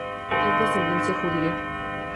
Es de ascendencia judía.